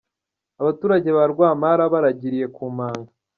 Abaturage ba Rwampara baragiriye ku manga